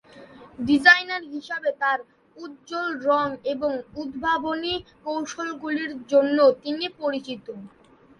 Designer হিসাবে তার উজ্জ্বল রঙ এবং উদ্ভাবনী কৌশলগুলির জন্য তিনি পরিচিত।